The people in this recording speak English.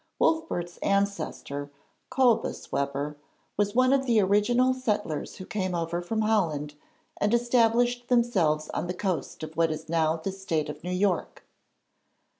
Wolfert's ancestor, Cobus Webber, was one of the original settlers who came over from Holland and established themselves on the coast of what is now the State of New York.